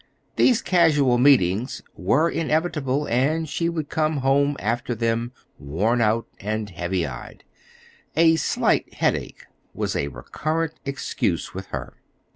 These casual meetings were inevitable; and she would come home after them worn out and heavy eyed. "A slight headache" was a recurrent excuse with her.